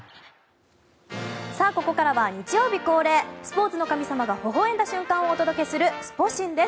ここからは日曜日恒例スポーツの神様がほほ笑んだ瞬間をお届けするスポ神です。